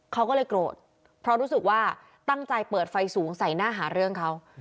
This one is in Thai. เขาก็เลยโกรธเพราะรู้สึกว่าตั้งใจเปิดไฟสูงใส่หน้าหาเรื่องเขา